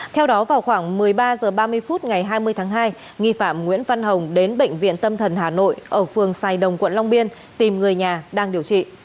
theo đó vào khoảng một mươi ba h ba mươi phút ngày hai mươi tháng hai nghi phạm nguyễn văn hồng đến bệnh viện tâm thần hà nội ở phường sài đồng quận long biên tìm người nhà đang điều trị